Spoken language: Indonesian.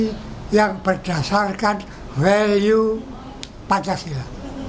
mereka adalah demokrasi yang berdasarkan value pancasila